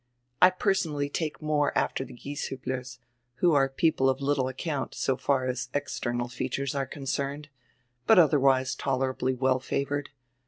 I personally take more after die Gieshublers, who are people of litrle account, so far as external features are concerned, but otherwise tolerably well favored.